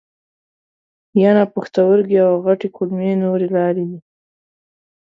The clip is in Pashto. ینه، پښتورګي او غټې کولمې نورې لارې دي.